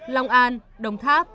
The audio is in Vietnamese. long an đồng tháp